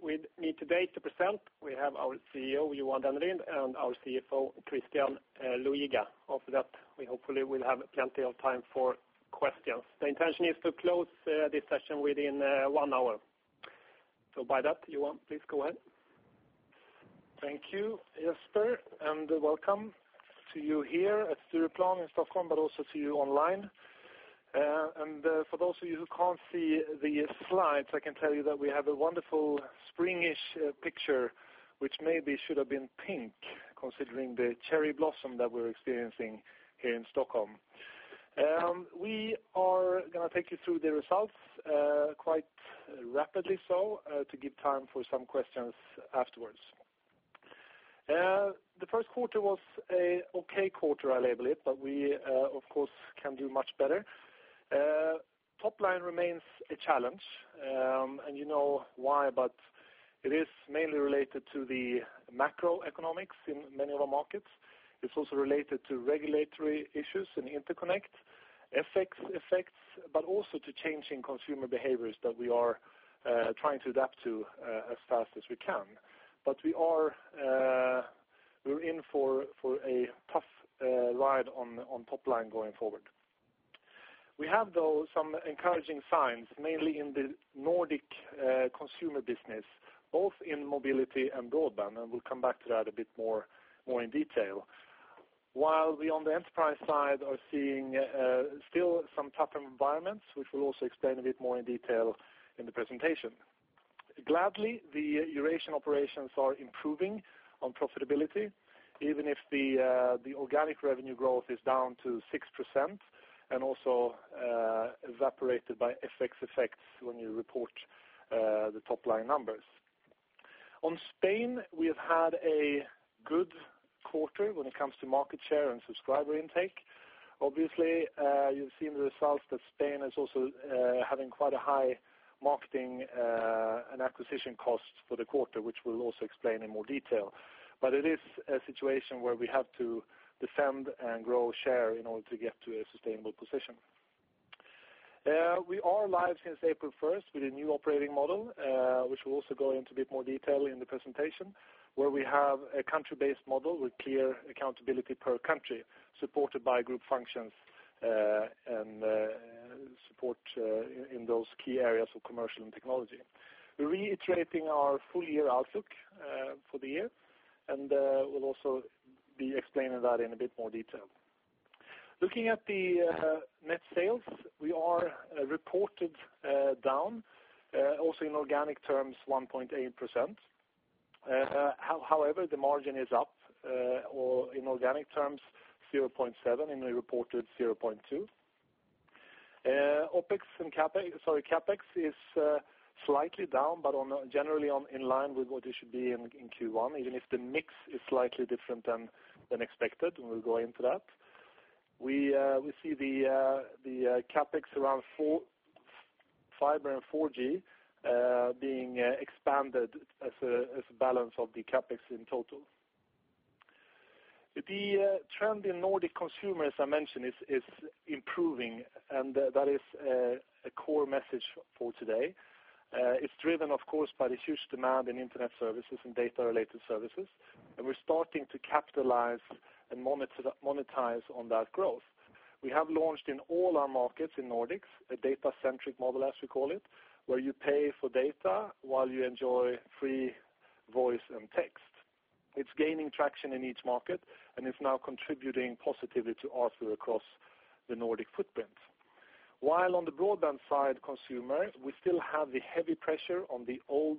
With me today to present, we have our CEO, Johan Dennelind, and our CFO, Christian Luiga. After that, we hopefully will have plenty of time for questions. The intention is to close this session within one hour. With that, Johan, please go ahead. Thank you, Jesper, and welcome to you here at Stureplan in Stockholm, but also to you online. For those of you who can't see the slides, I can tell you that we have a wonderful spring-ish picture, which maybe should have been pink, considering the cherry blossom that we're experiencing here in Stockholm. We are going to take you through the results quite rapidly so to give time for some questions afterwards. The first quarter was an okay quarter, I label it, but we of course can do much better. Top line remains a challenge, and you know why, but it is mainly related to the macroeconomics in many of our markets. It's also related to regulatory issues and interconnect effects, but also to changing consumer behaviors that we are trying to adapt to as fast as we can. We're in for a tough ride on top line going forward. We have, though, some encouraging signs, mainly in the Nordic consumer business, both in mobility and broadband, and we'll come back to that a bit more in detail. While we, on the enterprise side, are seeing still some tougher environments, which we'll also explain a bit more in detail in the presentation. Gladly, the Eurasian operations are improving on profitability, even if the organic revenue growth is down to 6% and also evaporated by effects when you report the top-line numbers. On Spain, we have had a good quarter when it comes to market share and subscriber intake. Obviously, you've seen the results that Spain is also having quite a high marketing and acquisition cost for the quarter, which we'll also explain in more detail. It is a situation where we have to defend and grow share in order to get to a sustainable position. We are live since April 1st with a new operating model, which we'll also go into a bit more detail in the presentation, where we have a country-based model with clear accountability per country, supported by group functions and support in those key areas of commercial and technology. We're reiterating our full-year outlook for the year. We'll also be explaining that in a bit more detail. Looking at the net sales, we are reported down, also in organic terms, 1.8%. However, the margin is up, or in organic terms, 0.7%, and we reported 0.2%. CapEx is slightly down, but generally inline with what it should be in Q1, even if the mix is slightly different than expected. We'll go into that. We see the CapEx around fiber and 4G being expanded as a balance of the CapEx in total. The trend in Nordic consumer, as I mentioned, is improving, and that is a core message for today. It's driven, of course, by the huge demand in internet services and data-related services, and we're starting to capitalize and monetize on that growth. We have launched in all our markets in Nordics, a data-centric model, as we call it, where you pay for data while you enjoy free voice and text. It's gaining traction in each market and is now contributing positively to ARPU across the Nordic footprint. While on the broadband side, consumer, we still have the heavy pressure on the old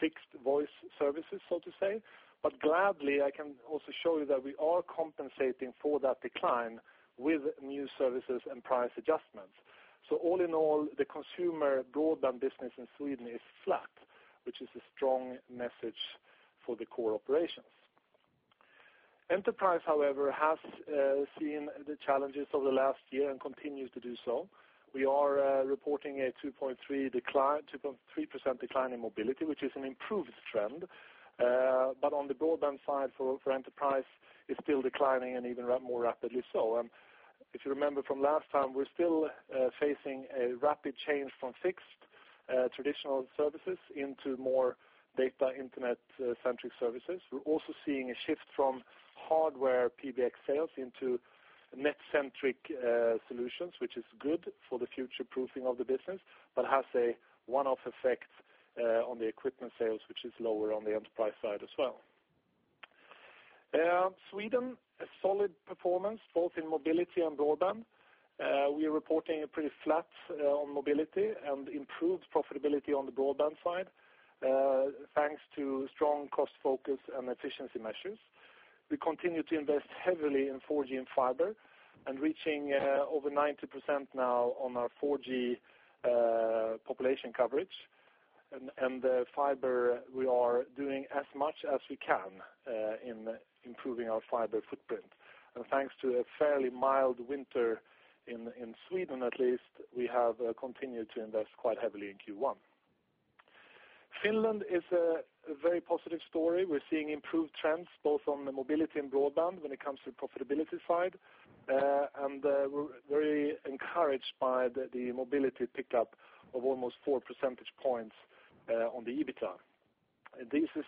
fixed voice services, so to say, but gladly, I can also show you that we are compensating for that decline with new services and price adjustments. All in all, the consumer broadband business in Sweden is flat, which is a strong message for the core operations. Enterprise, however, has seen the challenges over the last year and continues to do so. We are reporting a 2.3% decline in mobility, which is an improved trend. On the broadband side for enterprise, it's still declining and even more rapidly so. If you remember from last time, we're still facing a rapid change from fixed traditional services into more data internet-centric services. We're also seeing a shift from hardware PBX sales into net-centric solutions, which is good for the future-proofing of the business, but has a one-off effect on the equipment sales, which is lower on the enterprise side as well. Sweden, a solid performance, both in mobility and broadband. We are reporting a pretty flat on mobility and improved profitability on the broadband side, thanks to strong cost focus and efficiency measures. We continue to invest heavily in 4G and fiber and reaching over 90% now on our 4G population coverage. Fiber, we are doing as much as we can in improving our fiber footprint. Thanks to a fairly mild winter in Sweden, at least, we have continued to invest quite heavily in Q1. Finland is a very positive story. We're seeing improved trends both on the mobility and broadband when it comes to the profitability side. We're very encouraged by the mobility pickup of almost four percentage points on the EBITDA. This is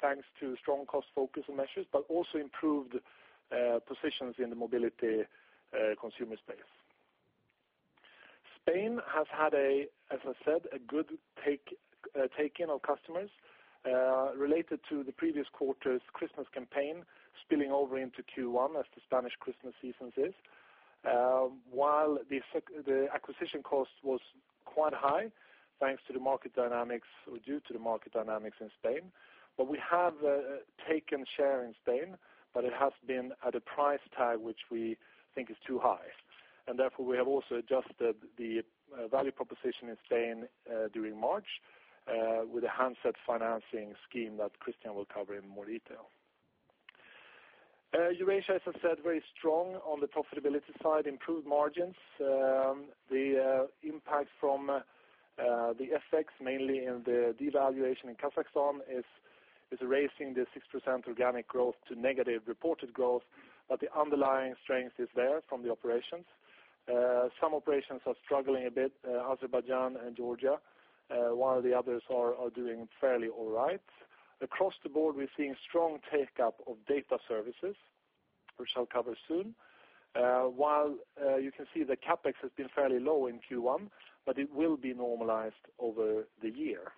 thanks to strong cost focus and measures, but also improved positions in the mobility consumer space. Spain has had, as I said, a good take-in of customers related to the previous quarter's Christmas campaign spilling over into Q1 as the Spanish Christmas seasons is. While the acquisition cost was quite high, thanks to the market dynamics, or due to the market dynamics in Spain. We have taken share in Spain, but it has been at a price tag which we think is too high. Therefore, we have also adjusted the value proposition in Spain during March, with a handset financing scheme that Christian will cover in more detail. Eurasia, as I said, very strong on the profitability side, improved margins. The impact from the FX, mainly in the devaluation in Kazakhstan, is raising the 6% organic growth to negative reported growth, but the underlying strength is there from the operations. Some operations are struggling a bit, Azerbaijan and Georgia, while the others are doing fairly all right. Across the board, we are seeing strong take-up of data services, which I will cover soon. While you can see the CapEx has been fairly low in Q1, it will be normalized over the year.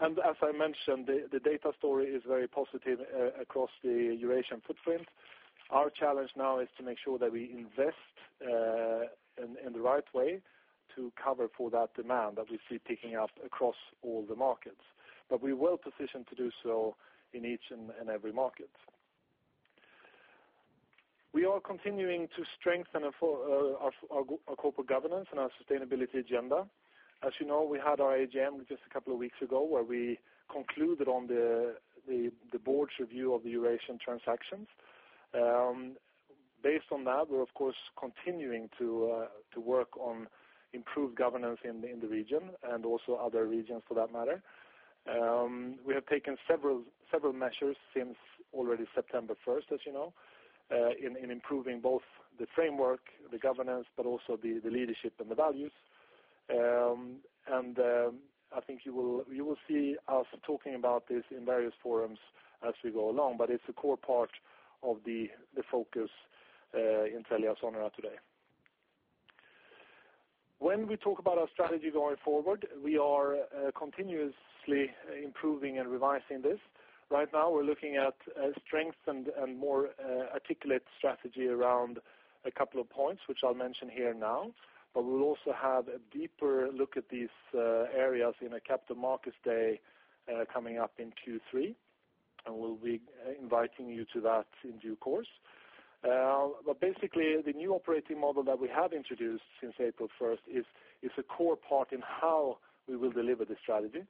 As I mentioned, the data story is very positive across the Eurasian footprint. Our challenge now is to make sure that we invest in the right way to cover for that demand that we see picking up across all the markets. We are well-positioned to do so in each and every market. We are continuing to strengthen our corporate governance and our sustainability agenda. As you know, we had our AGM just a couple of weeks ago, where we concluded on the board's review of the Eurasian transactions. Based on that, we are of course continuing to work on improved governance in the region and also other regions for that matter. We have taken several measures since already September 1st, as you know, in improving both the framework, the governance, but also the leadership and the values. I think you will see us talking about this in various forums as we go along, but it is a core part of the focus in TeliaSonera today. When we talk about our strategy going forward, we are continuously improving and revising this. Right now, we are looking at a strengthened and more articulate strategy around a couple of points, which I will mention here now. We will also have a deeper look at these areas in a Capital Markets Day coming up in Q3, and we will be inviting you to that in due course. Basically, the new operating model that we have introduced since April 1st is a core part in how we will deliver the strategy,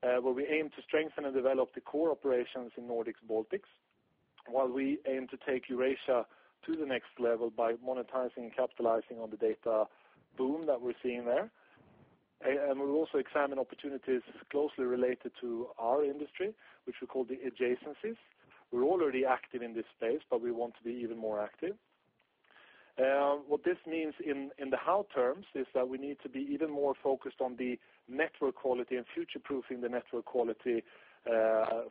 where we aim to strengthen and develop the core operations in Nordics and Baltics. While we aim to take Eurasia to the next level by monetizing and capitalizing on the data boom that we are seeing there. We will also examine opportunities closely related to our industry, which we call the adjacencies. We are already active in this space, but we want to be even more active. What this means in the how terms is that we need to be even more focused on the network quality and future-proofing the network quality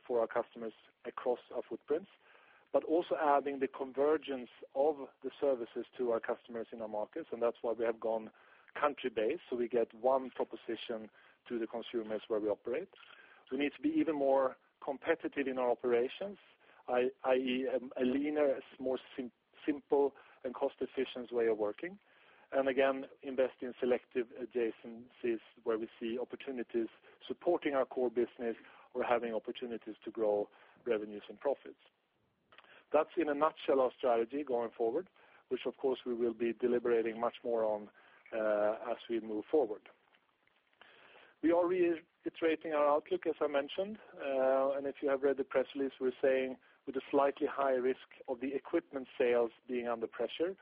for our customers across our footprints. Also adding the convergence of the services to our customers in our markets, and that is why we have gone country-based, so we get one proposition to the consumers where we operate. We need to be even more competitive in our operations, i.e., a leaner, more simple, and cost-efficient way of working. Again, investing in selective adjacencies where we see opportunities supporting our core business or having opportunities to grow revenues and profits. That is in a nutshell our strategy going forward, which of course we will be deliberating much more on as we move forward. We are reiterating our outlook, as I mentioned. If you have read the press release, we are saying with a slightly higher risk of the equipment sales being under pressure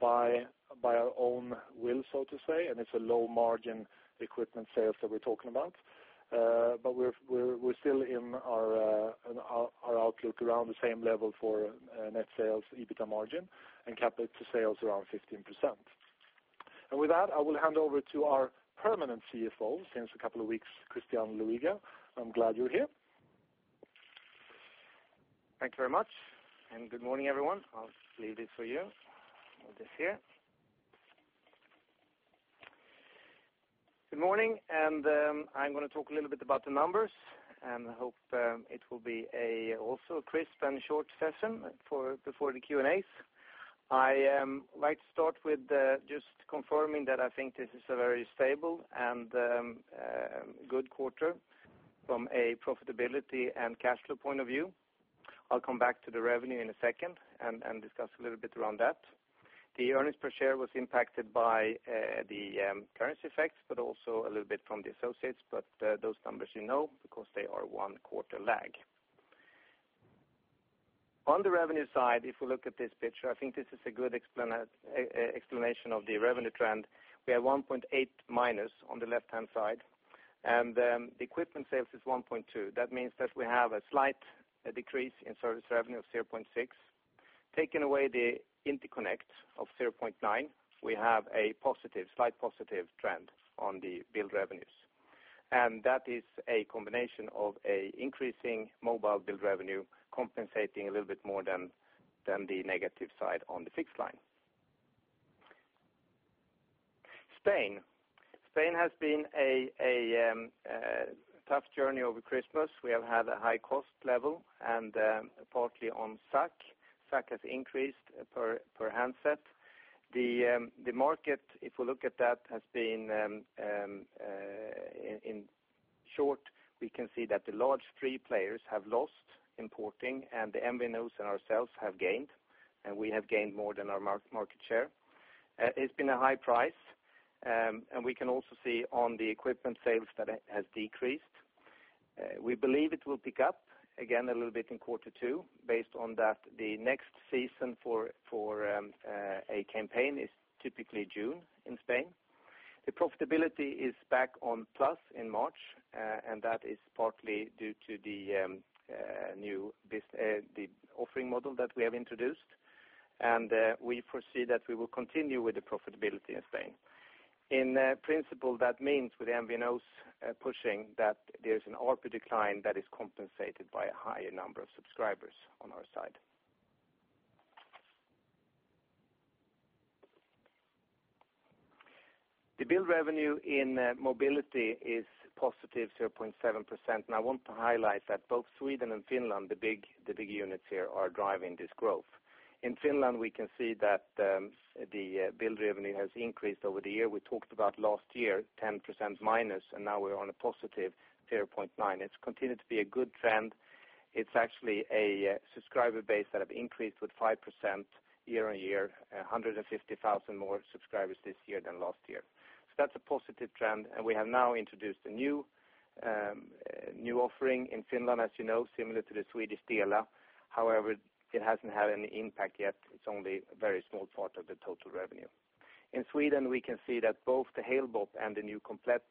by our own will, so to say, and it is a low-margin equipment sales that we are talking about. We're still in our outlook around the same level for net sales EBITDA margin and CapEx to sales around 15%. With that, I will hand over to our permanent CFO since a couple of weeks, Christian Luiga. I'm glad you're here. Thank you very much. Good morning, everyone. I'll leave this for you. Move this here. Good morning, I'm going to talk a little bit about the numbers, I hope it will be also a crisp and short session before the Q&As. I like to start with just confirming that I think this is a very stable and good quarter from a profitability and cash flow point of view. I'll come back to the revenue in a second and discuss a little bit around that. The earnings per share was impacted by the currency effects, but also a little bit from the associates, but those numbers you know, because they are one quarter lag. On the revenue side, if we look at this picture, I think this is a good explanation of the revenue trend. We have 1.8 minus on the left-hand side, the equipment sales is 1.2. That means that we have a slight decrease in service revenue of 0.6. Taking away the interconnect of 0.9, we have a slight positive trend on the billed revenues. That is a combination of an increasing mobile billed revenue compensating a little bit more than the negative side on the fixed line. Spain. Spain has been a tough journey over Christmas. We have had a high cost level and partly on SAC. SAC has increased per handset. The market, if we look at that, in short, we can see that the large three players have lost porting and the MVNOs and ourselves have gained, we have gained more than our market share. It's been a high price, we can also see on the equipment sales that it has decreased. We believe it will pick up again a little bit in quarter two based on that the next season for a campaign is typically June in Spain. The profitability is back on plus in March, that is partly due to the offering model that we have introduced, we foresee that we will continue with the profitability in Spain. In principle, that means with the MVNOs pushing that there's an ARPU decline that is compensated by a higher number of subscribers on our side. The billed revenue in mobility is positive 0.7%, I want to highlight that both Sweden and Finland, the big units here, are driving this growth. In Finland, we can see that the billed revenue has increased over the year. We talked about last year, 10% minus, now we're on a positive 0.9. It's continued to be a good trend. It's actually a subscriber base that have increased with 5% year-on-year, 150,000 more subscribers this year than last year. That's a positive trend, and we have now introduced a new offering in Finland, as you know, similar to the Swedish Telia. However, it hasn't had any impact yet. It's only a very small part of the total revenue. In Sweden, we can see that both the Halebop and the new Komplett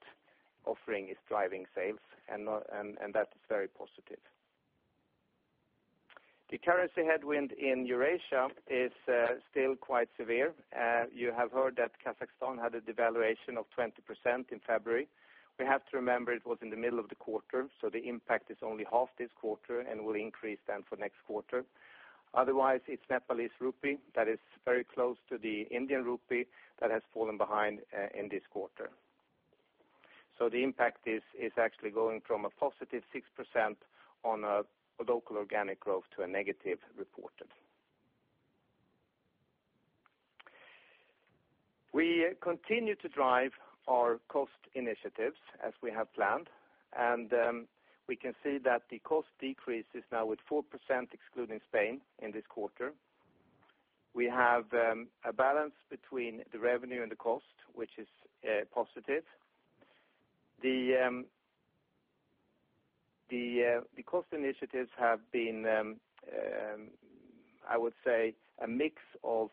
offering is driving sales, and that is very positive. The currency headwind in Eurasia is still quite severe. You have heard that Kazakhstan had a devaluation of 20% in February. We have to remember it was in the middle of the quarter, so the impact is only half this quarter and will increase then for next quarter. Otherwise, it's Nepalese rupee that is very close to the Indian rupee that has fallen behind in this quarter. The impact is actually going from a positive 6% on a local organic growth to a negative reported. We continue to drive our cost initiatives as we have planned, and we can see that the cost decrease is now at 4%, excluding Spain, in this quarter. We have a balance between the revenue and the cost, which is positive. The cost initiatives have been, I would say, a mix of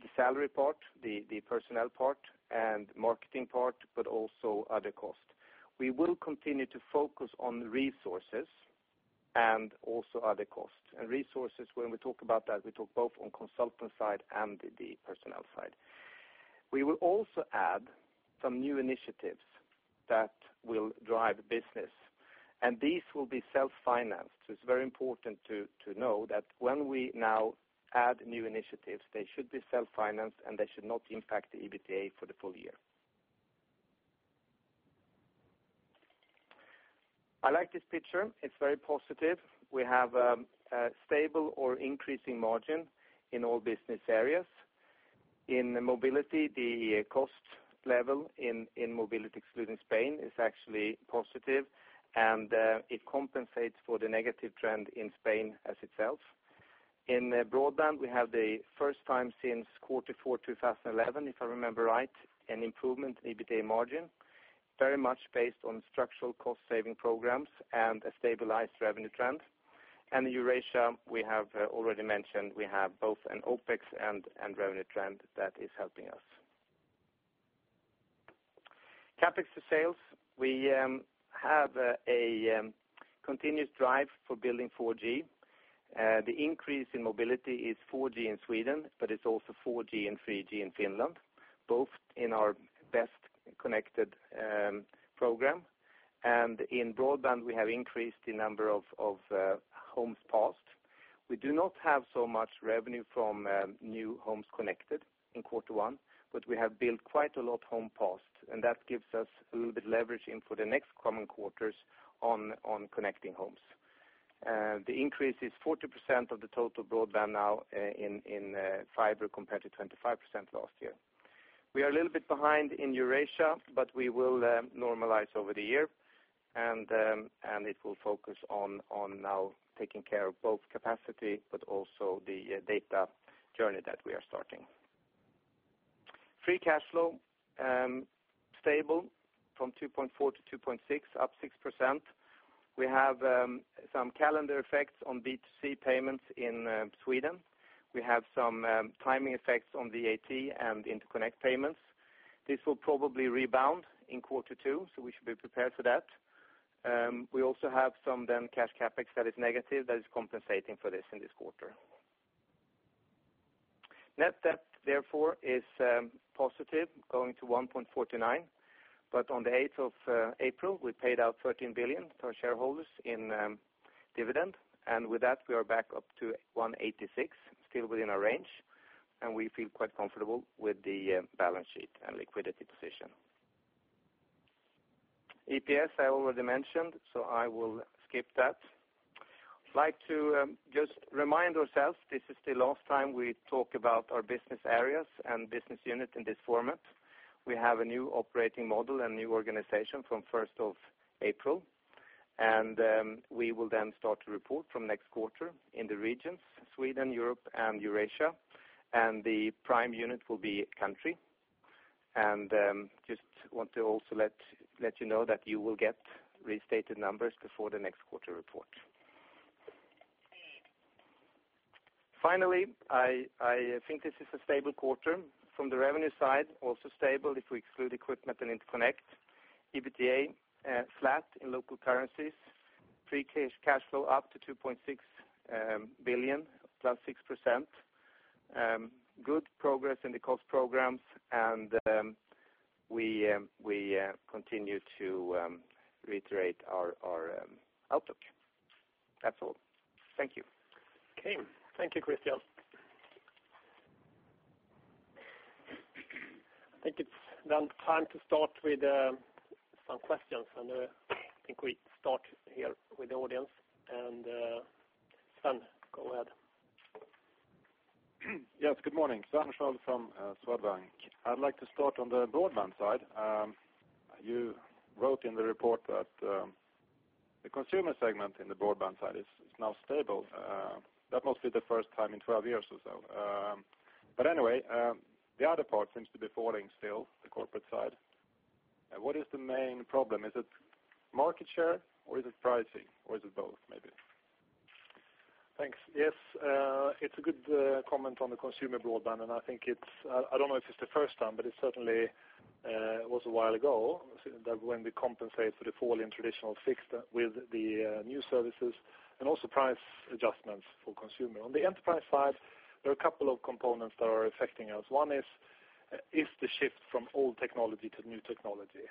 the salary part, the personnel part, and marketing part, but also other costs. We will continue to focus on resources and also other costs. Resources, when we talk about that, we talk both on consultant side and the personnel side. We will also add some new initiatives that will drive business, and these will be self-financed. It's very important to know that when we now add new initiatives, they should be self-financed, and they should not impact the EBITDA for the full year. I like this picture. It's very positive. We have a stable or increasing margin in all business areas. In mobility, the cost level in mobility, excluding Spain, is actually positive, and it compensates for the negative trend in Spain as itself. In broadband, we have the first time since quarter four 2011, if I remember right, an improvement in EBITDA margin, very much based on structural cost-saving programs and a stabilized revenue trend. Eurasia, we have already mentioned, we have both an OpEx and revenue trend that is helping us. CapEx for sales. We have a continuous drive for building 4G. The increase in mobility is 4G in Sweden, but it's also 4G and 3G in Finland, both in our best-connected program. In broadband, we have increased the number of homes passed. We do not have so much revenue from new homes connected in quarter one, but we have built quite a lot home passed, and that gives us a little bit of leverage in for the next coming quarters on connecting homes. The increase is 40% of the total broadband now in fiber compared to 25% last year. We are a little bit behind in Eurasia, but we will normalize over the year, and it will focus on now taking care of both capacity, but also the data journey that we are starting. Free cash flow, stable from 2.4-2.6, up 6%. We have some calendar effects on B2C payments in Sweden. We have some timing effects on VAT and interconnect payments. This will probably rebound in quarter two, so we should be prepared for that. We also have some cash CapEx that is negative that is compensating for this in this quarter. Net debt, therefore, is positive, going to 1.49. On the 8th of April, we paid out 13 billion to our shareholders in dividend, and with that, we are back up to 186, still within our range, and we feel quite comfortable with the balance sheet and liquidity position. EPS, I already mentioned, so I will skip that. I'd like to just remind ourselves, this is the last time we talk about our business areas and business unit in this format. We have a new operating model and new organization from the 1st of April, we will then start to report from next quarter in the regions, Sweden, Europe, and Eurasia, the prime unit will be country. Just want to also let you know that you will get restated numbers before the next quarter report. Finally, I think this is a stable quarter. From the revenue side, also stable if we exclude equipment and interconnect. EBITDA, flat in local currencies. Free cash flow up to 2.6 billion, plus 6%. Good progress in the cost programs, and we continue to reiterate our outlook. That's all. Thank you. Okay. Thank you, Christian. I think it's now time to start with some questions, I think we start here with the audience, Sven, go ahead. Yes, good morning. Sven from Swedbank. I'd like to start on the broadband side. You wrote in the report that the consumer segment in the broadband side is now stable. That must be the first time in 12 years or so. Anyway, the other part seems to be falling still, the corporate side. What is the main problem? Is it market share, or is it pricing, or is it both, maybe? Thanks. I don't know if it's the first time, but it certainly was a while ago that when we compensate for the fall in traditional fixed with the new services and also price adjustments for consumer. On the enterprise side, there are a couple of components that are affecting us. One is the shift from old technology to new technology,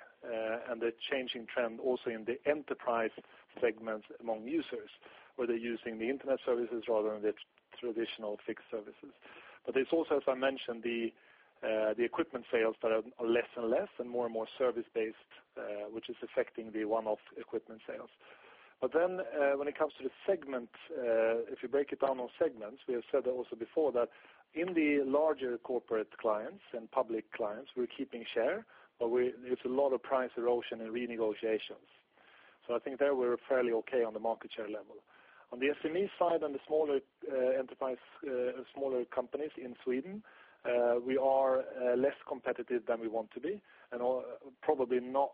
and the changing trend also in the enterprise segments among users, where they're using the internet services rather than the traditional fixed services. It's also, as I mentioned, the equipment sales that are less and less, and more and more service-based, which is affecting the one-off equipment sales. When it comes to the segment, if you break it down on segments, we have said also before that in the larger corporate clients and public clients, we're keeping share, but it's a lot of price erosion and renegotiations. I think there we're fairly okay on the market share level. On the SME side, on the smaller enterprise, smaller companies in Sweden, we are less competitive than we want to be, and are probably not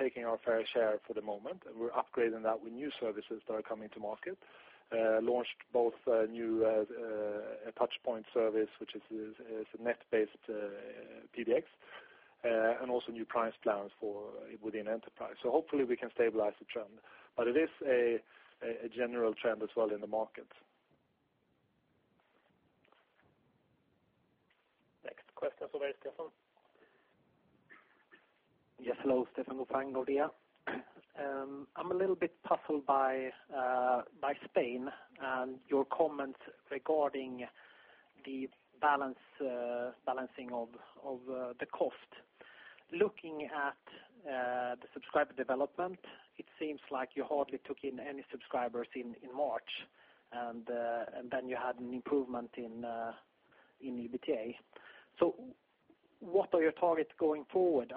taking our fair share for the moment. We're upgrading that with new services that are coming to market. Launched both a new Touchpoint service, which is a net-based PBX, and also new price plans within enterprise. Hopefully we can stabilize the trend. It is a general trend as well in the market. Next question from Stefan. Yes. Hello, Stefan Lufang, Nordea. I'm a little bit puzzled by Spain and your comments regarding the balancing of the cost. Looking at the subscriber development, it seems like you hardly took in any subscribers in March, and then you had an improvement in EBITDA. What are your targets going forward?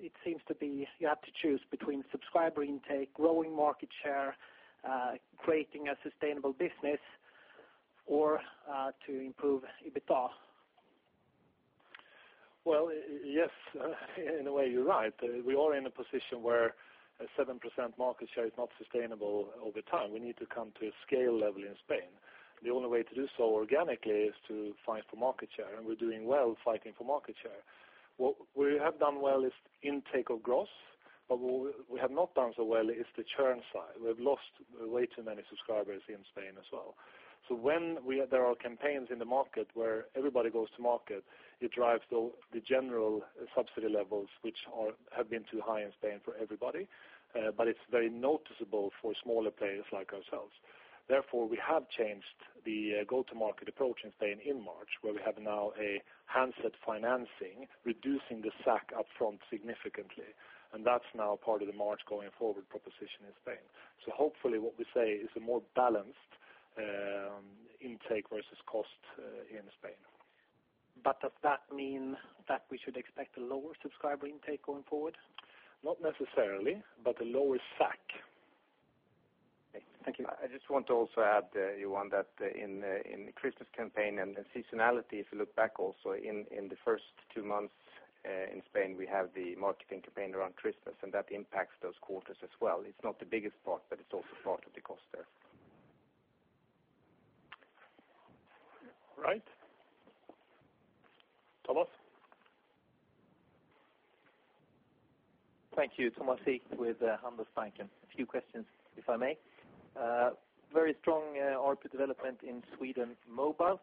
It seems to be you have to choose between subscriber intake, growing market share, creating a sustainable business, or to improve EBITDA. Well, yes, in a way, you're right. We are in a position where a 7% market share is not sustainable over time. We need to come to a scale level in Spain. The only way to do so organically is to fight for market share, and we're doing well fighting for market share. What we have done well is intake of gross, but what we have not done so well is the churn side. We've lost way too many subscribers in Spain as well. When there are campaigns in the market where everybody goes to market, it drives the general subsidy levels, which have been too high in Spain for everybody. It's very noticeable for smaller players like ourselves. We have changed the go-to-market approach in Spain in March, where we have now a handset financing, reducing the SAC up front significantly, and that's now part of the March going forward proposition in Spain. Hopefully what we say is a more balanced intake versus cost in Spain. Does that mean that we should expect a lower subscriber intake going forward? Not necessarily, but a lower SAC. Thank you. I just want to also add, Johan, that in the Christmas campaign and the seasonality, if you look back also in the first two months in Spain, we have the marketing campaign around Christmas, that impacts those quarters as well. It's not the biggest part, it's also part of the cost there. Right. Thomas? Thank you. Thomas with Handelsbanken. A few questions, if I may. Very strong ARPU development in Sweden Mobile.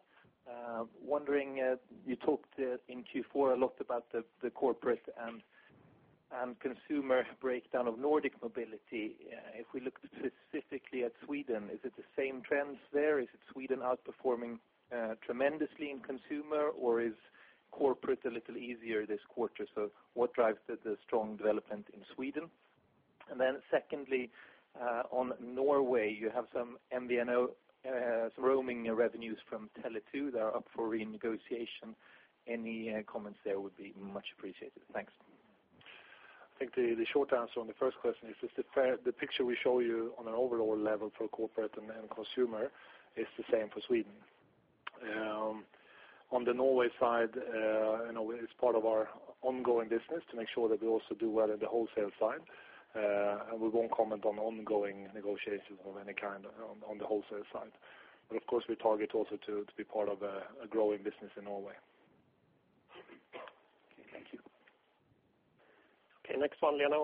Wondering, you talked in Q4 a lot about the corporate and consumer breakdown of Nordic Mobility. If we look specifically at Sweden, is it the same trends there? Is it Sweden outperforming tremendously in consumer, or is corporate a little easier this quarter? What drives the strong development in Sweden? Then secondly, on Norway, you have some MVNO roaming revenues from Tele2 that are up for renegotiation. Any comments there would be much appreciated. Thanks. I think the short answer on the first question is just the picture we show you on an overall level for corporate and consumer is the same for Sweden. On the Norway side, it's part of our ongoing business to make sure that we also do well in the wholesale side. We won't comment on ongoing negotiations of any kind on the wholesale side. Of course, we target also to be part of a growing business in Norway. Okay, thank you. Okay, next one, Lena.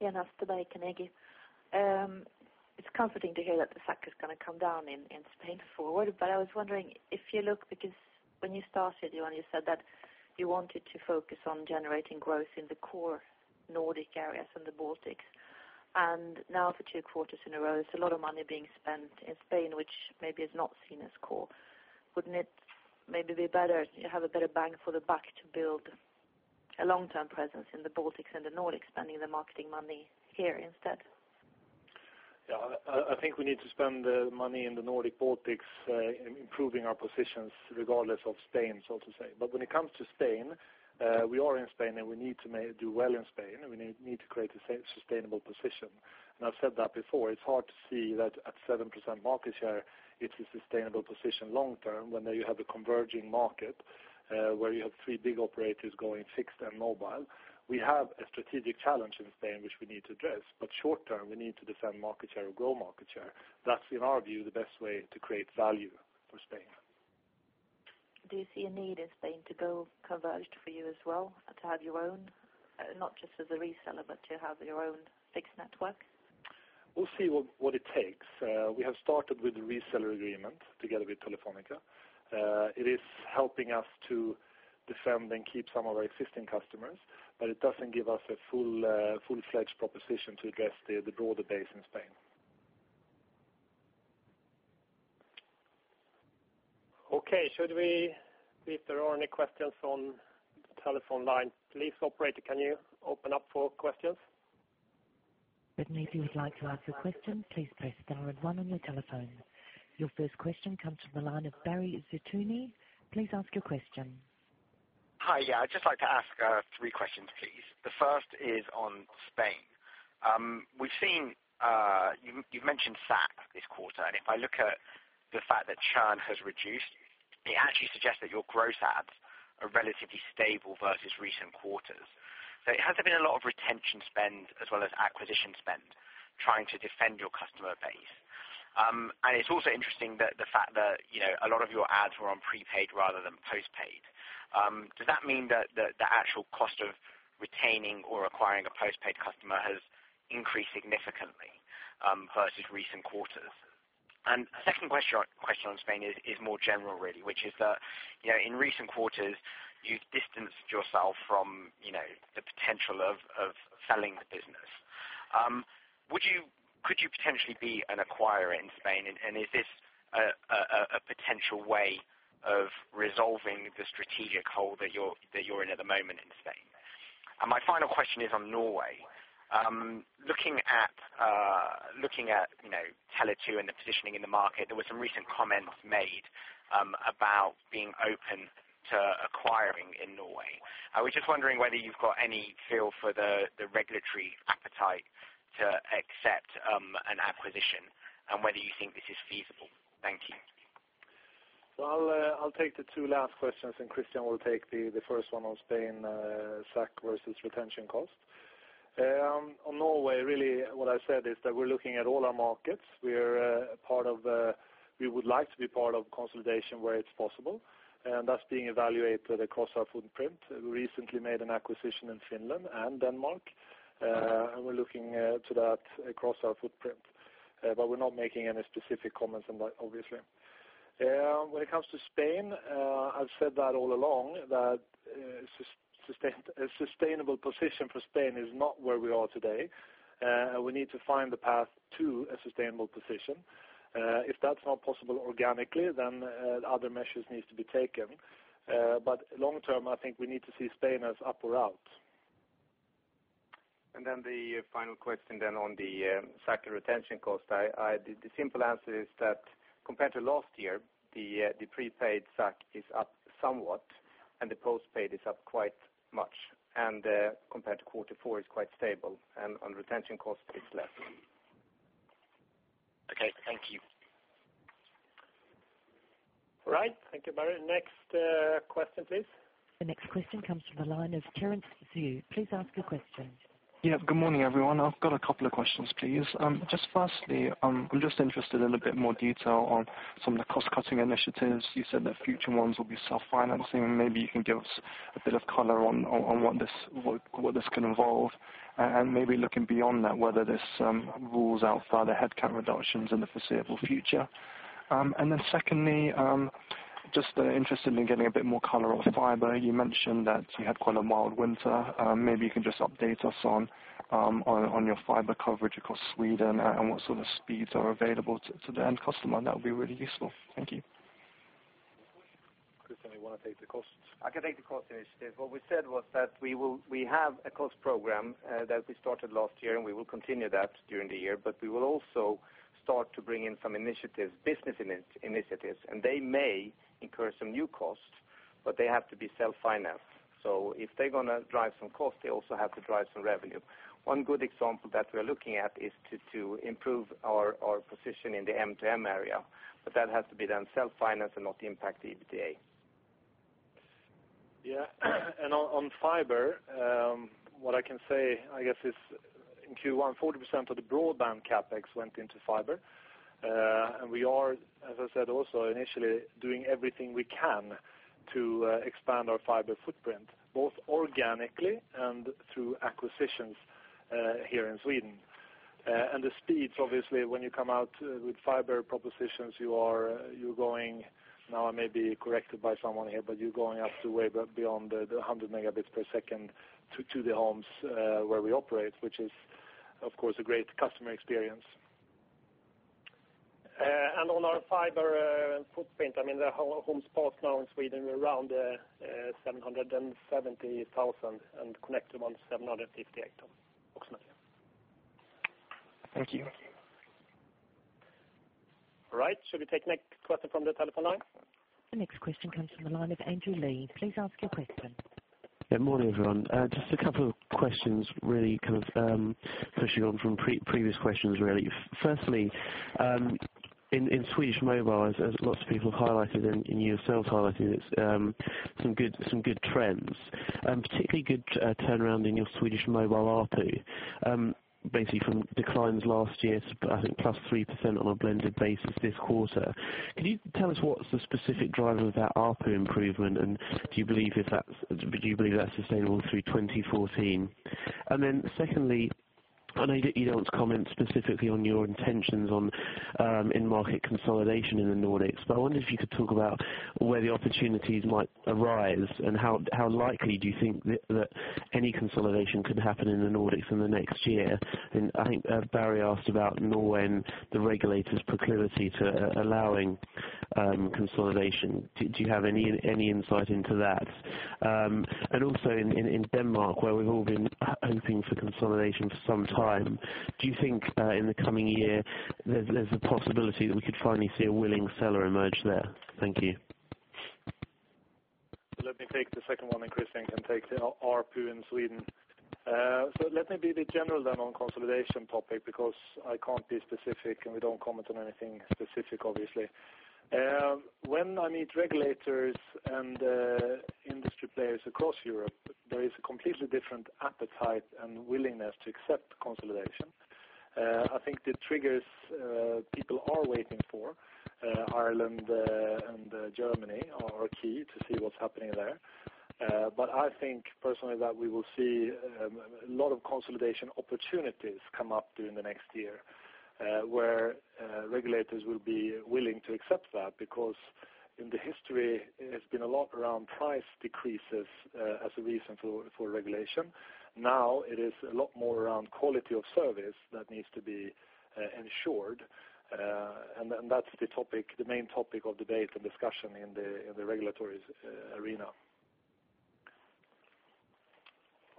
Lena Österberg, Carnegie. It's comforting to hear that the SAC is going to come down in Spain forward. I was wondering if you look, because when you started, Johan, you said that you wanted to focus on generating growth in the core Nordic areas and the Baltics. Now for two quarters in a row, there's a lot of money being spent in Spain, which maybe is not seen as core. Wouldn't it maybe be better to have a better bang for the buck to build a long-term presence in the Baltics and the Nordics, spending the marketing money here instead? Yeah, I think we need to spend the money in the Nordic-Baltics in improving our positions regardless of Spain, so to say. When it comes to Spain, we are in Spain, and we need to do well in Spain, and we need to create a sustainable position. I've said that before, it's hard to see that at 7% market share, it's a sustainable position long term, when you have a converging market, where you have three big operators going fixed and mobile. We have a strategic challenge in Spain which we need to address. Short term, we need to defend market share or grow market share. That's, in our view, the best way to create value for Spain. Do you see a need in Spain to go converged for you as well, to have your own, not just as a reseller, but to have your own fixed network? We'll see what it takes. We have started with the reseller agreement together with Telefónica. It is helping us to defend and keep some of our existing customers, it doesn't give us a full-fledged proposition to address the broader base in Spain. Okay. Should we see if there are any questions on the telephone line? Please, operator, can you open up for questions? If you would like to ask a question, please press star and one on your telephone. Your first question comes from the line of Barry Zeitoune. Please ask your question. Hi. Yeah, I'd just like to ask three questions, please. The first is on Spain. You've mentioned SAC this quarter, and if I look at the fact that churn has reduced, it actually suggests that your gross adds are relatively stable versus recent quarters. It has been a lot of retention spend as well as acquisition spend trying to defend your customer base. It's also interesting the fact that a lot of your ads were on prepaid rather than postpaid. Does that mean that the actual cost of retaining or acquiring a postpaid customer has increased significantly versus recent quarters? A second question on Spain is more general, really, which is that, in recent quarters, you've distanced yourself from the potential of selling the business. Could you potentially be an acquirer in Spain? Is this a potential way of resolving the strategic hole that you're in at the moment in Spain? My final question is on Norway. Looking at Tele2 and the positioning in the market, there were some recent comments made about being open to acquiring in Norway. I was just wondering whether you've got any feel for the regulatory appetite to accept an acquisition, and whether you think this is feasible. Thank you. I'll take the two last questions, and Christian will take the first one on Spain SAC versus retention cost. On Norway, what I said is that we're looking at all our markets. We would like to be part of consolidation where it's possible, and that's being evaluated across our footprint. We recently made an acquisition in Finland and Denmark, and we're looking to that across our footprint. We're not making any specific comments on that, obviously. When it comes to Spain, I've said that all along, that a sustainable position for Spain is not where we are today. We need to find the path to a sustainable position. If that's not possible organically, other measures need to be taken. Long term, I think we need to see Spain as up or out. The final question on the SAC retention cost. The simple answer is that compared to last year, the prepaid SAC is up somewhat, and the postpaid is up quite much. Compared to quarter four, it's quite stable, and on retention cost, it's less. Okay. Thank you. All right. Thank you, Barry. Next question, please. The next question comes from the line of Terence Zhu. Please ask your question. Yeah. Good morning, everyone. I've got a couple of questions, please. Just firstly, I'm just interested in a bit more detail on some of the cost-cutting initiatives. You said that future ones will be self-financing. Maybe you can give us a bit of color on what this can involve, and maybe looking beyond that, whether this rules out further headcount reductions in the foreseeable future. Secondly, just interested in getting a bit more color on fiber. You mentioned that you had quite a mild winter. Maybe you can just update us on your fiber coverage across Sweden and what sort of speeds are available to the end customer. That would be really useful. Thank you. Christian, you want to take the costs? I can take the cost initiative. What we said was that we have a cost program that we started last year, we will continue that during the year, we will also start to bring in some initiatives, business initiatives, they may incur some new costs, but they have to be self-financed. If they're going to drive some cost, they also have to drive some revenue. One good example that we're looking at is to improve our position in the M2M area, that has to be then self-financed and not impact the EBITDA. Yeah. On fiber, what I can say, I guess, is in Q1, 40% of the broadband CapEx went into fiber. We are, as I said, also initially doing everything we can to expand our fiber footprint, both organically and through acquisitions here in Sweden. The speeds, obviously, when you come out with fiber propositions, you're going, now I may be corrected by someone here, but you're going up to way beyond the 100 megabits per second to the homes where we operate, which is, of course, a great customer experience. On our fiber footprint, the homes passed now in Sweden are around 770,000, and connected ones, 758,000 approximately. Thank you. All right. Should we take next question from the telephone line? The next question comes from the line of Andrew Lee. Please ask your question. Yeah, morning, everyone. Just a couple of questions really, kind of pushing on from previous questions, really. Firstly, in Swedish Mobile, as lots of people have highlighted and you yourself highlighted it, some good trends, particularly good turnaround in your Swedish mobile ARPU, basically from declines last year to, I think, plus 3% on a blended basis this quarter. Can you tell us what's the specific driver of that ARPU improvement, and do you believe that's sustainable through 2014? Secondly, I know that you don't want to comment specifically on your intentions in market consolidation in the Nordics, but I wonder if you could talk about where the opportunities might arise, and how likely do you think that any consolidation could happen in the Nordics in the next year? I think Barry asked about Norway, the regulator's proclivity to allowing consolidation. Do you have any insight into that? Also in Denmark, where we've all been hoping for consolidation for some time, do you think in the coming year there's a possibility that we could finally see a willing seller emerge there? Thank you. Let me take the second one, Christian can take the ARPU in Sweden. Let me be the general then on consolidation topic, because I can't be specific, and we don't comment on anything specific, obviously. When I meet regulators and industry players across Europe, there is a completely different appetite and willingness to accept consolidation. I think the triggers people are waiting for, Ireland and Germany are key to see what's happening there. I think personally that we will see a lot of consolidation opportunities come up during the next year, where regulators will be willing to accept that, because in the history, it has been a lot around price decreases as a reason for regulation. It is a lot more around quality of service that needs to be ensured, and that's the main topic of debate and discussion in the regulatory arena.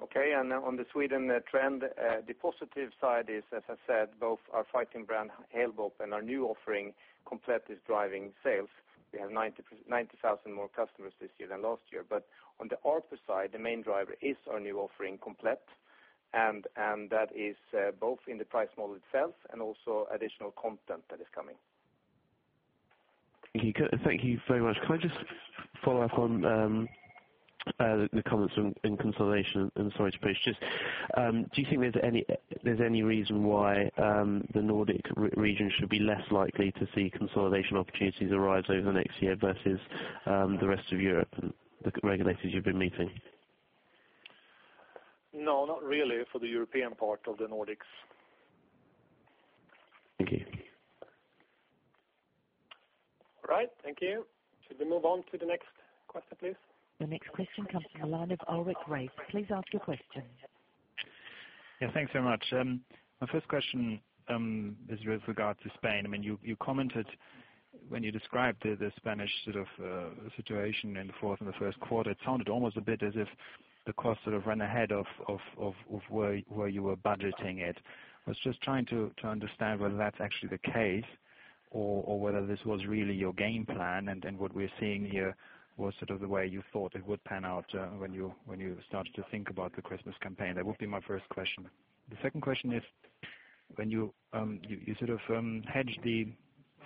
Okay. On the Sweden trend, the positive side is, as I said, both our fighting brand Halebop and our new offering, Komplett, is driving sales. We have 90,000 more customers this year than last year. On the ARPU side, the main driver is our new offering, Komplett, and that is both in the price model itself and also additional content that is coming. Thank you. Thank you very much. Can I just follow up on the comments in consolidation? Sorry to push. Just, do you think there's any reason why the Nordic region should be less likely to see consolidation opportunities arise over the next year versus the rest of Europe and the regulators you've been meeting? No, not really for the European part of the Nordics. Thank you. All right. Thank you. Should we move on to the next question, please? The next question comes from the line of Ulrich Rathe. Please ask your question. Thanks very much. My first question is with regard to Spain. You commented when you describe the Spanish situation in the fourth and the first quarter, it sounded almost a bit as if the cost ran ahead of where you were budgeting it. I was just trying to understand whether that's actually the case, or whether this was really your game plan, and what we're seeing here was the way you thought it would pan out when you started to think about the Christmas campaign. That would be my first question. The second question is, you hedged the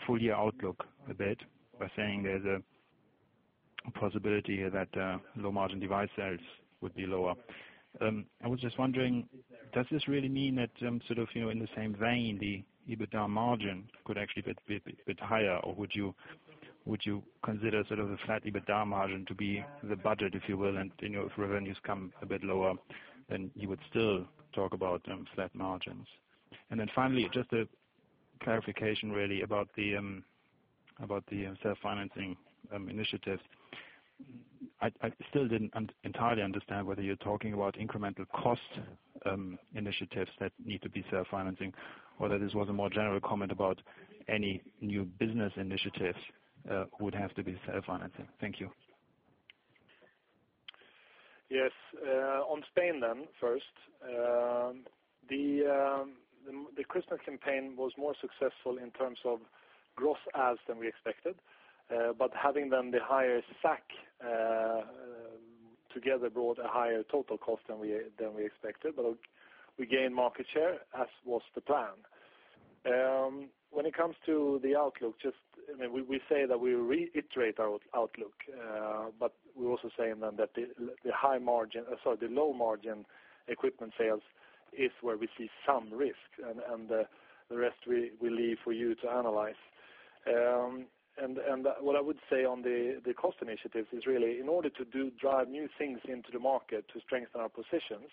full year outlook a bit by saying there's a possibility that low-margin device sales would be lower. I was just wondering, does this really mean that, in the same vein, the EBITDA margin could actually be a bit higher, or would you consider a flat EBITDA margin to be the budget, if you will? If revenues come a bit lower, then you would still talk about flat margins. Then finally, just a clarification really about the self-financing initiatives. I still didn't entirely understand whether you're talking about incremental cost initiatives that need to be self-financing, or that this was a more general comment about any new business initiatives would have to be self-financing. Thank you. Yes. On Spain then, first, the Christmas campaign was more successful in terms of gross adds than we expected. Having then the higher SAC, together brought a higher total cost than we expected. We gained market share, as was the plan. When it comes to the outlook, we say that we reiterate our outlook. We're also saying then that the low-margin equipment sales is where we see some risk, and the rest we leave for you to analyze. What I would say on the cost initiatives is really in order to drive new things into the market to strengthen our positions,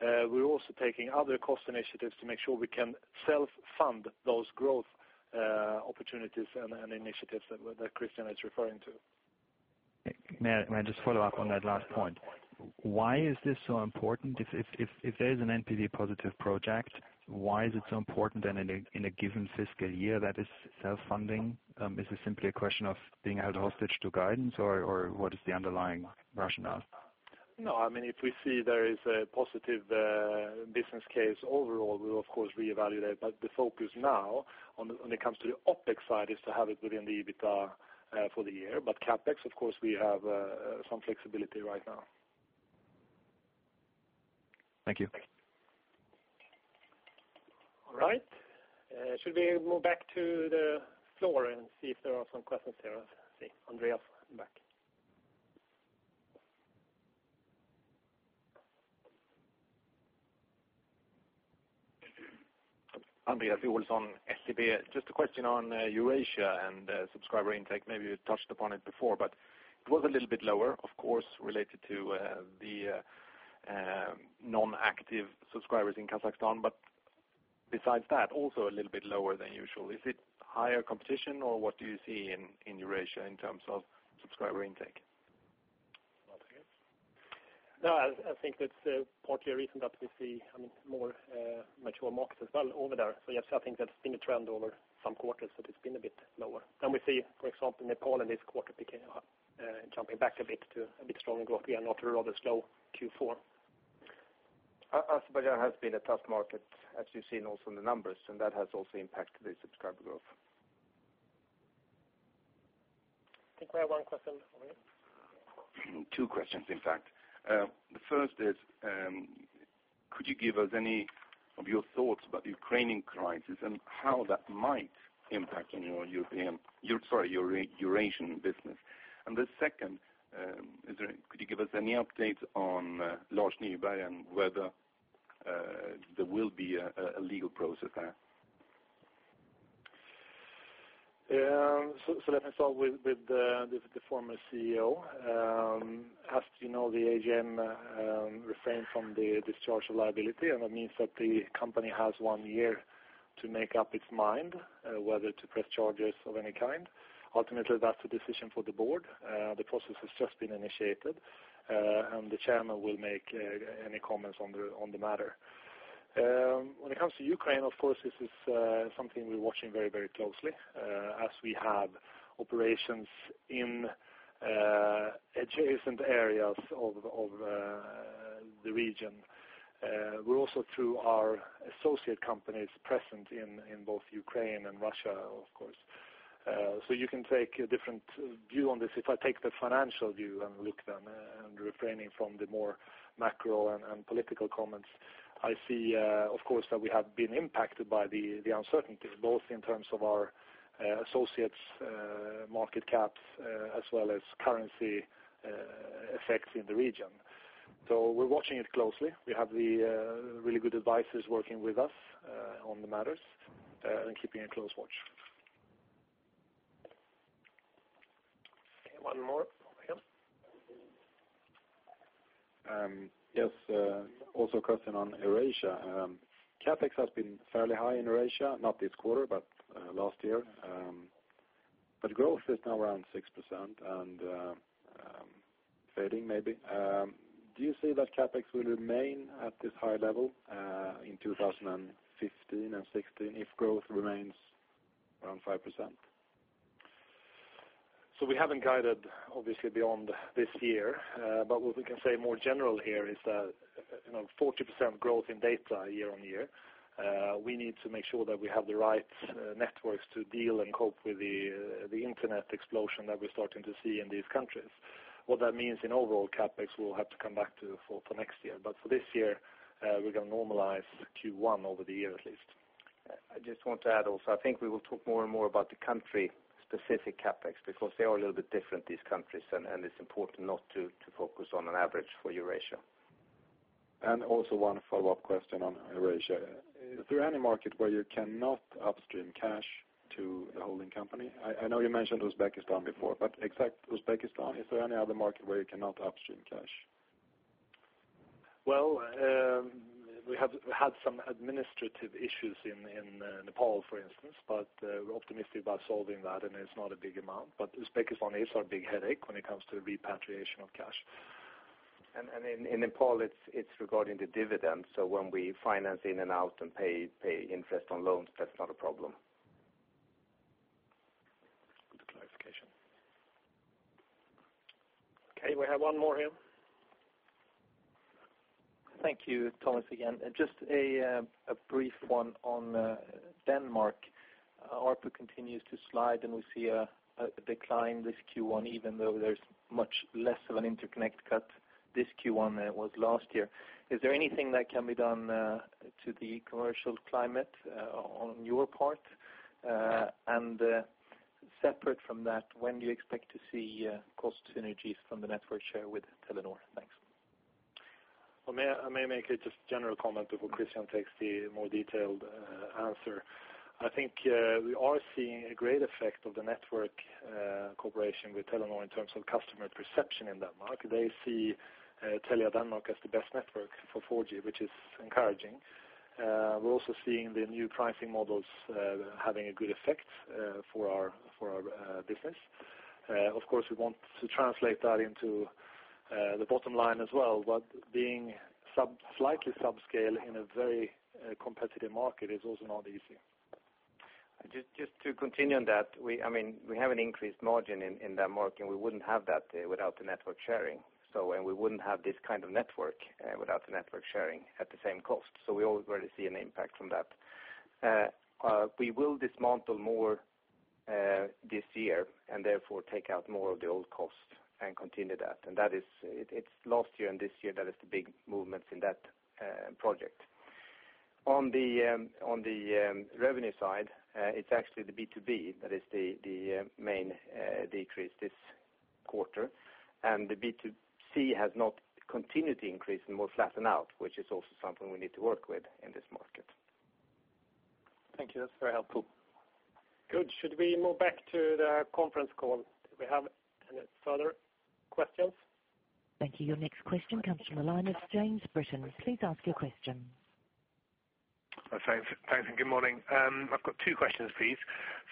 we're also taking other cost initiatives to make sure we can self-fund those growth opportunities and initiatives that Christian is referring to. May I just follow up on that last point? Why is this so important? If there is an NPV positive project, why is it so important then in a given fiscal year that is self-funding? Is this simply a question of being held hostage to guidance, or what is the underlying rationale? If we see there is a positive business case overall, we'll of course reevaluate. The focus now when it comes to the OpEx side is to have it within the EBITDA for the year. CapEx, of course, we have some flexibility right now. Thank you. Should we go back to the floor and see if there are some questions there? I see Andreas in the back. Andreas Olsson, SEB. Just a question on Eurasia and subscriber intake. Maybe you touched upon it before, it was a little bit lower, of course, related to the non-active subscribers in Kazakhstan. Besides that, also a little bit lower than usual. Is it higher competition, or what do you see in Eurasia in terms of subscriber intake? I think it's partly a reason that we see more mature markets as well over there. Yes, I think that's been a trend over some quarters that it's been a bit lower. We see, for example, Nepal in this quarter jumping back a bit to a bit stronger growth again after a rather slow Q4. Azerbaijan has been a tough market, as you've seen also in the numbers, and that has also impacted the subscriber growth. I think we have one question over here. Two questions, in fact. The first is, could you give us any of your thoughts about the Ukrainian crisis and how that might impact on your Eurasian business? The second, could you give us any updates on Lars Nyberg and whether there will be a legal process there? Let me start with the former CEO. As you know, the AGM refrained from the discharge of liability, that means that the company has one year to make up its mind whether to press charges of any kind. Ultimately, that's a decision for the board. The process has just been initiated, the chairman will make any comments on the matter. When it comes to Ukraine, of course, this is something we're watching very closely, as we have operations in adjacent areas of the region. We're also, through our associate companies, present in both Ukraine and Russia, of course. You can take a different view on this. If I take the financial view and look then, refraining from the more macro and political comments, I see, of course, that we have been impacted by the uncertainties, both in terms of our associates' market caps as well as currency effects in the region. We're watching it closely. We have the really good advisors working with us on the matters and keeping a close watch. Okay, one more. Over here. Yes. Also a question on Eurasia. CapEx has been fairly high in Eurasia, not this quarter, last year. Growth is now around 6%, Fading maybe. Do you see that CapEx will remain at this high level in 2015 and 2016 if growth remains around 5%? We haven't guided, obviously, beyond this year. What we can say more general here is that 40% growth in data year-on-year, we need to make sure that we have the right networks to deal and cope with the internet explosion that we're starting to see in these countries. What that means in overall CapEx, we'll have to come back to for next year. For this year, we're going to normalize Q1 over the year at least. I just want to add also, I think we will talk more and more about the country-specific CapEx, because they are a little bit different, these countries, and it's important not to focus on an average for Eurasia. Also one follow-up question on Eurasia. Is there any market where you cannot upstream cash to the holding company? I know you mentioned Uzbekistan before, but except Uzbekistan, is there any other market where you cannot upstream cash? Well, we had some administrative issues in Nepal, for instance, but we're optimistic about solving that, and it's not a big amount. Uzbekistan is our big headache when it comes to repatriation of cash. In Nepal, it's regarding the dividends. When we finance in and out and pay interest on loans, that's not a problem. Good clarification. Okay, we have one more here. Thank you, Thomas, again. Just a brief one on Denmark. ARPU continues to slide, and we see a decline this Q1, even though there's much less of an interconnect cut this Q1 than it was last year. Is there anything that can be done to the commercial climate on your part? Separate from that, when do you expect to see cost synergies from the network share with Telenor? Thanks. Well, may I make a just general comment before Christian takes the more detailed answer. I think we are seeing a great effect of the network cooperation with Telenor in terms of customer perception in Denmark. They see Telia Denmark as the best network for 4G, which is encouraging. We're also seeing the new pricing models having a good effect for our business. Of course, we want to translate that into the bottom line as well, but being slightly subscale in a very competitive market is also not easy. Just to continue on that, we have an increased margin in that market, we wouldn't have that without the network sharing. We wouldn't have this kind of network without the network sharing at the same cost. We already see an impact from that. We will dismantle more this year and therefore take out more of the old costs and continue that. That is, it's last year and this year that is the big movements in that project. On the revenue side, it's actually the B2B that is the main decrease this quarter. The B2C has not continued to increase, it more flattened out, which is also something we need to work with in this market. Thank you. That's very helpful. Good. Should we move back to the conference call? Do we have any further questions? Thank you. Your next question comes from the line of James Britton. Please ask your question. Thanks, and good morning. I've got two questions, please.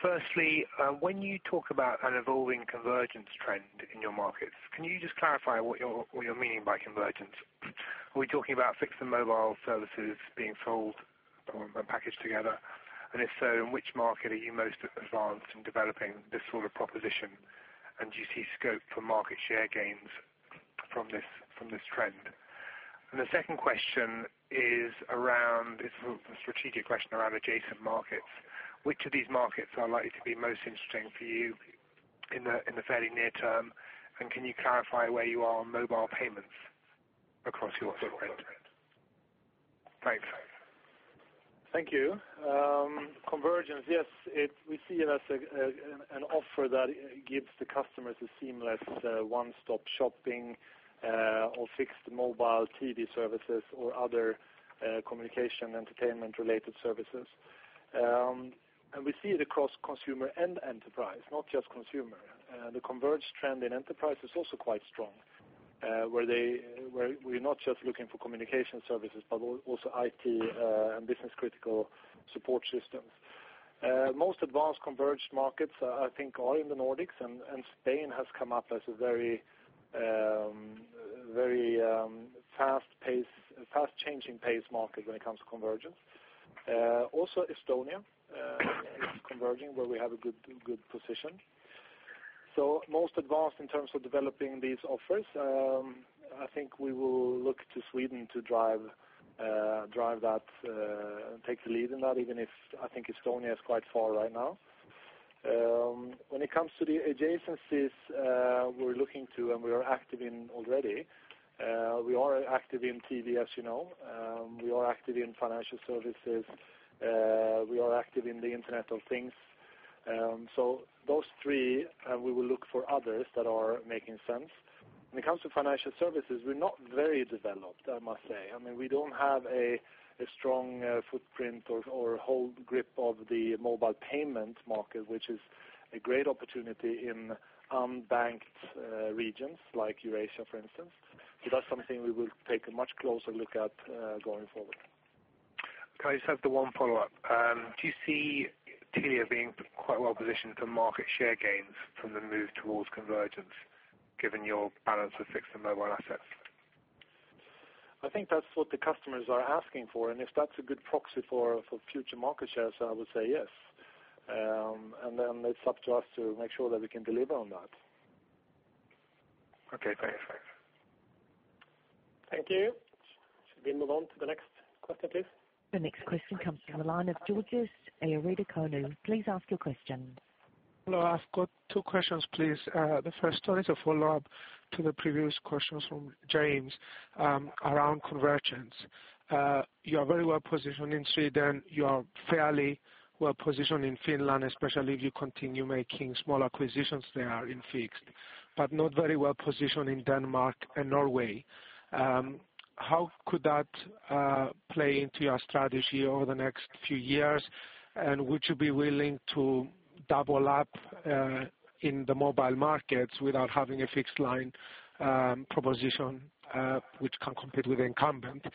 Firstly, when you talk about an evolving convergence trend in your markets, can you just clarify what you're meaning by convergence? Are we talking about fixed and mobile services being sold or packaged together? If so, in which market are you most advanced in developing this sort of proposition, and do you see scope for market share gains from this trend? The second question is a strategic question around adjacent markets. Which of these markets are likely to be most interesting for you in the fairly near term, and can you clarify where you are on mobile payments across your footprint? Thanks. Thank you. Convergence, yes, we see it as an offer that gives the customers a seamless one-stop shopping of fixed mobile TV services or other communication entertainment-related services. We see it across consumer and enterprise, not just consumer. The converged trend in enterprise is also quite strong, where we're not just looking for communication services, but also IT and business-critical support systems. Most advanced converged markets, I think, are in the Nordics, and Spain has come up as a very fast-changing pace market when it comes to convergence. Also Estonia is converging, where we have a good position. Most advanced in terms of developing these offers. I think we will look to Sweden to drive that and take the lead in that, even if I think Estonia is quite far right now. When it comes to the adjacencies we're looking to and we are active in already, we are active in TV, as you know. We are active in financial services. We are active in the Internet of Things. Those three, we will look for others that are making sense. When it comes to financial services, we're not very developed, I must say. We don't have a strong footprint or hold grip of the mobile payment market, which is a great opportunity in unbanked regions like Eurasia, for instance. That's something we will take a much closer look at going forward. Can I just have the one follow-up? Do you see Telia being quite well-positioned for market share gains from the move towards convergence, given your balance of fixed and mobile assets? I think that's what the customers are asking for. If that's a good proxy for future market shares, I would say yes. Then it's up to us to make sure that we can deliver on that. Okay, thanks. Thank you. Should we move on to the next question, please? The next question comes from the line of George Economou. Please ask your question. Hello, I've got two questions, please. The first one is a follow-up to the previous questions from James around convergence. You are very well-positioned in Sweden. You are fairly well-positioned in Finland, especially if you continue making small acquisitions there in fixed, but not very well-positioned in Denmark and Norway. How could that play into your strategy over the next few years? Would you be willing to double up in the mobile markets without having a fixed line proposition, which can compete with the incumbent?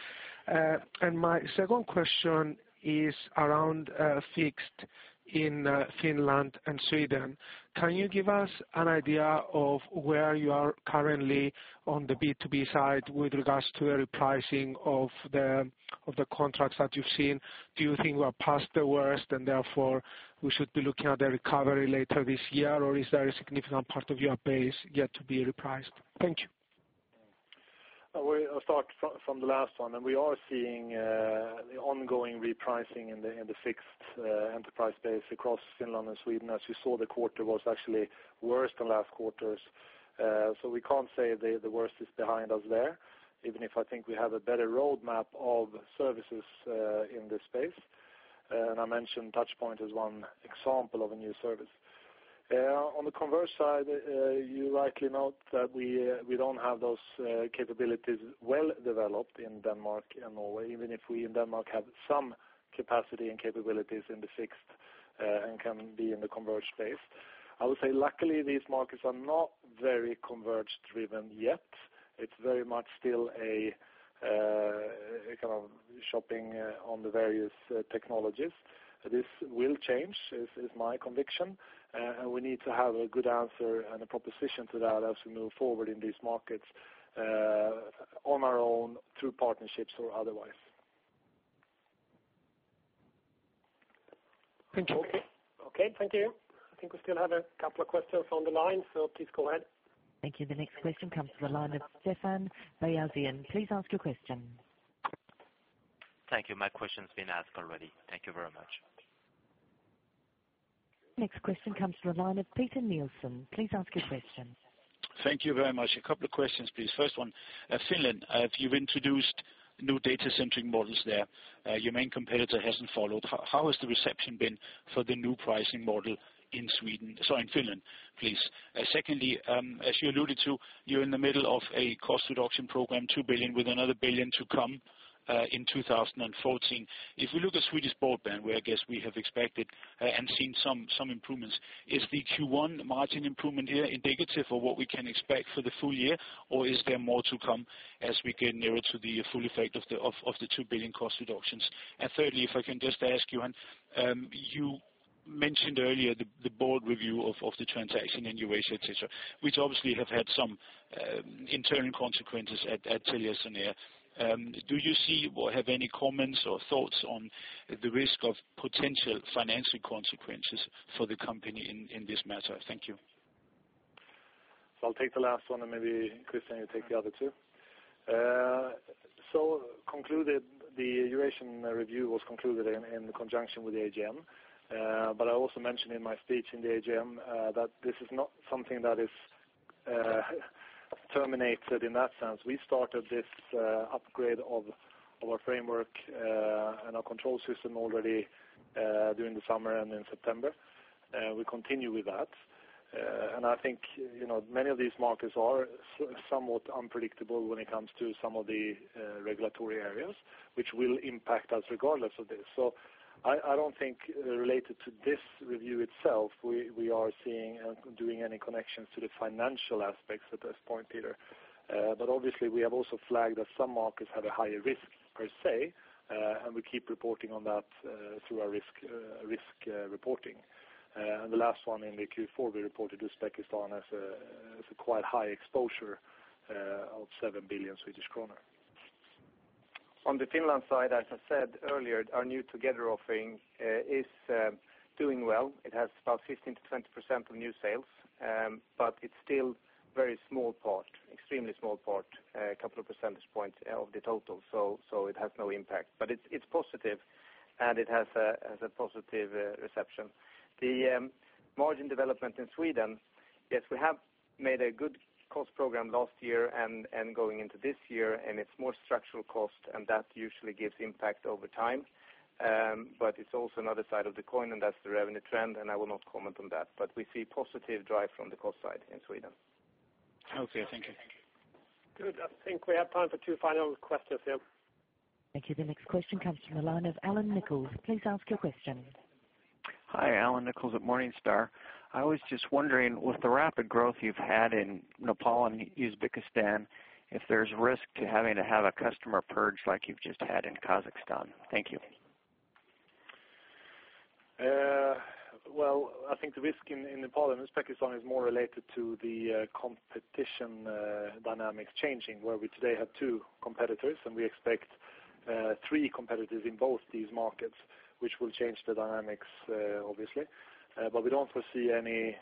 My second question is around fixed in Finland and Sweden. Can you give us an idea of where you are currently on the B2B side with regards to a repricing of the contracts that you've seen? Do you think we are past the worst, and therefore we should be looking at a recovery later this year? Is there a significant part of your base yet to be repriced? Thank you. I'll start from the last one, and we are seeing the ongoing repricing in the fixed enterprise base across Finland and Sweden. As you saw, the quarter was actually worse than last quarters. We can't say the worst is behind us there, even if I think we have a better roadmap of services in this space. I mentioned Touchpoint as one example of a new service. On the convergence side, you likely note that we don't have those capabilities well-developed in Denmark and Norway, even if we in Denmark have some capacity and capabilities in the fixed and can be in the converged space. I would say, luckily, these markets are not very converged driven yet. It's very much still a kind of shopping on the various technologies. This will change, is my conviction, and we need to have a good answer and a proposition to that as we move forward in these markets on our own, through partnerships or otherwise. Thank you. Okay. Thank you. I think we still have a couple of questions on the line, so please go ahead. Thank you. The next question comes from the line of Stefan Beyazian. Please ask your question. Thank you. My question's been asked already. Thank you very much. Next question comes from the line of Peter Nielsen. Please ask your question. Thank you very much. A couple of questions, please. First one, Finland, you've introduced new data-centric models there. Your main competitor hasn't followed. How has the reception been for the new pricing model in Finland, please? Secondly, as you alluded to, you're in the middle of a cost reduction program, 2 billion with another 1 billion to come in 2014. If we look at Swedish broadband, where I guess we have expected and seen some improvements, is the Q1 margin improvement here indicative of what we can expect for the full year? Or is there more to come as we get nearer to the full effect of the 2 billion cost reductions? Thirdly, if I can just ask you mentioned earlier the board review of the transaction in Eurasia, et cetera, which obviously have had some internal consequences at TeliaSonera. Do you see or have any comments or thoughts on the risk of potential financial consequences for the company in this matter? Thank you. I'll take the last one, and maybe Christian, you take the other two. The Eurasian review was concluded in conjunction with the AGM. I also mentioned in my speech in the AGM, that this is not something that is terminated in that sense. We started this upgrade of our framework and our control system already during the summer and in September. We continue with that. I think many of these markets are somewhat unpredictable when it comes to some of the regulatory areas, which will impact us regardless of this. I don't think related to this review itself, we are seeing and doing any connections to the financial aspects at this point, Peter. Obviously we have also flagged that some markets have a higher risk per se, and we keep reporting on that through our risk reporting. The last one in the Q4, we reported Uzbekistan has a quite high exposure of 7 billion Swedish kronor. On the Finland side, as I said earlier, our new Together offering is doing well. It has about 15%-20% of new sales, but it's still very small part, extremely small part, a couple of percentage points of the total, so it has no impact. It's positive, and it has a positive reception. The margin development in Sweden, yes, we have made a good cost program last year and going into this year, and it's more structural cost, and that usually gives impact over time. It's also another side of the coin, and that's the revenue trend, and I will not comment on that. We see positive drive from the cost side in Sweden. Okay. Thank you. Good. I think we have time for two final questions here. Thank you. The next question comes from the line of Allan Nichols. Please ask your question. Hi, Allan Nichols at Morningstar. I was just wondering, with the rapid growth you've had in Nepal and Uzbekistan, if there's risk to having to have a customer purge like you've just had in Kazakhstan. Thank you. Well, I think the risk in Nepal and Uzbekistan is more related to the competition dynamics changing, where we today have two competitors, and we expect three competitors in both these markets, which will change the dynamics, obviously. We don't foresee any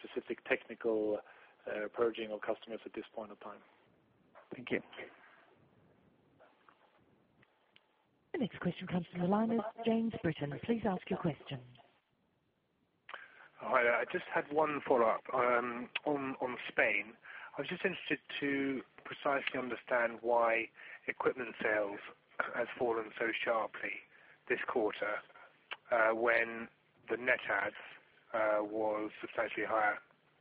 specific technical purging of customers at this point of time. Thank you. The next question comes from the line of James Britton. Please ask your question. Hi. I just had one follow-up. On Spain, I was just interested to precisely understand why equipment sales has fallen so sharply this quarter, when the net adds was substantially higher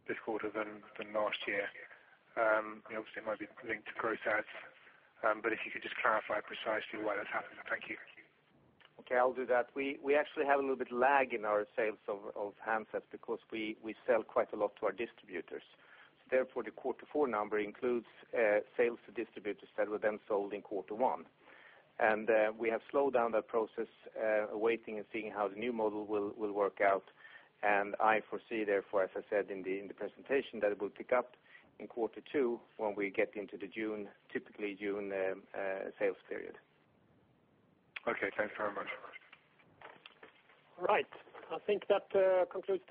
this quarter than last year. Obviously it might be linked to gross adds, but if you could just clarify precisely why that's happened. Thank you. Okay, I'll do that. We actually have a little bit lag in our sales of handsets because we sell quite a lot to our distributors. Therefore, the quarter 4 number includes sales to distributors that were then sold in quarter 1. We have slowed down that process, awaiting and seeing how the new model will work out. I foresee therefore, as I said in the presentation, that it will pick up in quarter 2 when we get into the typically June sales period. Okay. Thanks very much. All right. I think that.